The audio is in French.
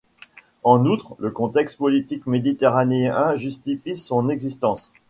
En outre, le contexte politique méditerranéen justifie son existence.